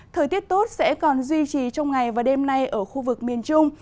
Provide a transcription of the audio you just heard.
thời tiết tốt sẽ còn duy trì trong ngày và đêm nay ở khu vực miền trung